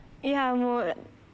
いやもう。